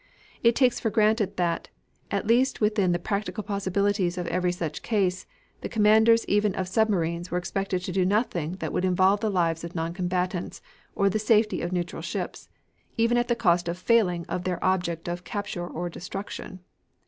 It takes for granted that, at least within the practical possibilities of every such case, the commanders even of submarines were expected to do nothing that would involve the lives of noncombatants or the safety of neutral ships, even at the cost of failing of their object of capture or destruction.